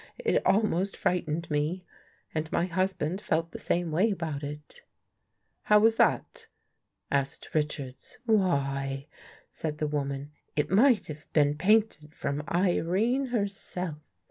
It almost frightened me. And my husband felt the same way about it." " How was that? " asked Richards. " Why," said the woman, " it might have been painted from Irene herself.